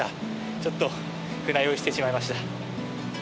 ちょっと船酔いしてしまいました。